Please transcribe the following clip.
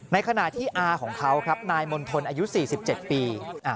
ในขณะที่อาของเขาครับนายมณฑลอายุ๔๗ปี